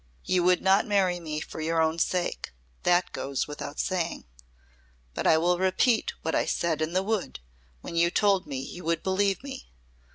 You would not marry me for your own sake. That goes without saying. But I will repeat what I said in the Wood when you told me you would believe me.